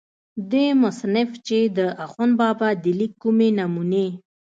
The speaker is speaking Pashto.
دې مصنف چې دَاخون بابا دَليک کومې نمونې